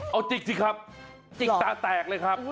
เอาจิกสิครับจิกตาแตกเลยครับ